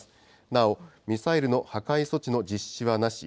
なお、ミサイルの破壊措置の実施はなし。